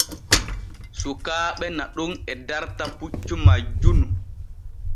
Sukaaɓe naɗon e darta puccu majjunu.